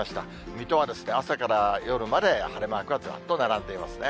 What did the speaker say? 水戸は朝から夜まで晴れマークがずらっと並んでいますね。